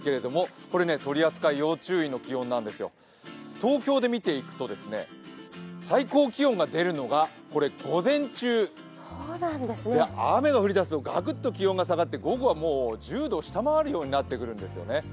東京でみていくと最高気温が出るのが午前中、雨が降り出すとガクッと気温が下がって午後は１０度を下回るようになってくるんですよね。